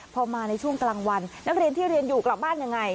พอมาในช่วงกลางวันนักเรียนที่เรียนอยู่กลับบ้านยังไง